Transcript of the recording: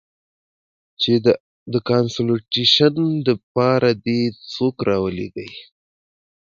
چې د کانسولټېشن د پاره دې څوک ارولېږي.